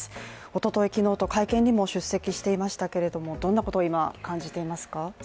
おととい昨日と会見にも出席していましたけれども、どんなことを今感じていますか？